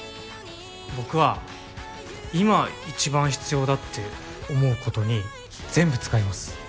僕は今一番必要だって思うことに全部使います。